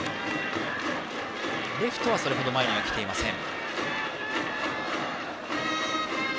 レフトはそれほど前には来ていません。